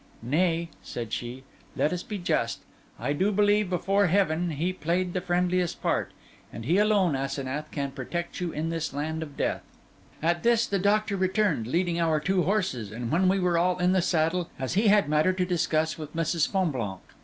'Nay,' said she, 'let us be just. I do believe before, Heaven, he played the friendliest part. And he alone, Asenath, can protect you in this land of death.' At this the doctor returned, leading our two horses; and when we were all in the saddle, he bade me ride on before, as he had matter to discuss with Mrs. Fonblanque.